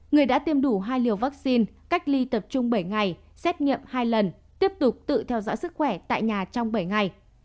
người đã tiêm đủ hai liều vaccine cách ly tập trung bảy ngày xét nghiệm hai lần tiếp tục tự theo dõi sức khỏe tại nhà trong bảy ngày